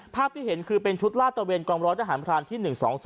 ภาพที่เห็นคือเป็นชุดลาดตะเวนกองร้อยทหารพรานที่๑๒๐